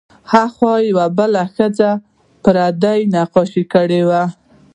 هاخوا یوه بله ښځه پر پردو نقاشۍ کولې.